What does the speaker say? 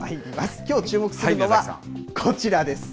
きょう注目するのは、こちらです。